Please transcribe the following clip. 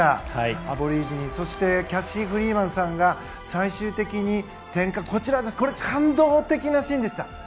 アボリジニキャシー・フリーマンさんが最終的に感動的なシーンでした。